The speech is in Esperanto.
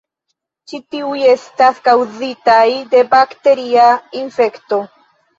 Ĉi tiuj estas kaŭzitaj de bakteria infekto.